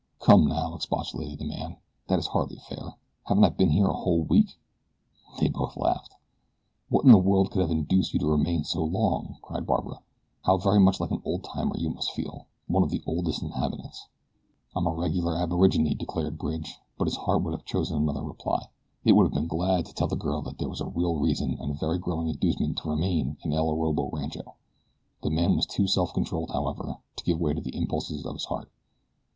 "Come now," expostulated the man. "That is hardly fair. Haven't I been here a whole week?" They both laughed. "What in the world can have induced you to remain so long?" cried Barbara. "How very much like an old timer you must feel one of the oldest inhabitants." "I am a regular aborigine," declared Bridge; but his heart would have chosen another reply. It would have been glad to tell the girl that there was a very real and a very growing inducement to remain at El Orobo Rancho. The man was too self controlled, however, to give way to the impulses of his heart.